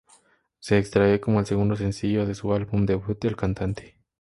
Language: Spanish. Se extrae como el segundo sencillo de su álbum debut de la cantante.